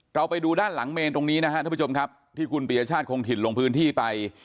ไปดูด้านหลังเมนตรงนี้นะครับท่านผู้ชมครับที่คุณปียชาติคงถิ่นลงพื้นที่ไป